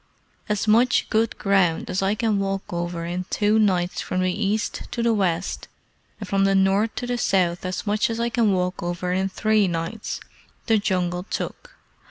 "As much good ground as I can walk over in two nights from the east to the west, and from the north to the south as much as I can walk over in three nights, the Jungle took.